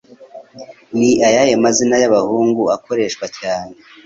Ni ayahe mazina y'abahungu akoreshwa cyane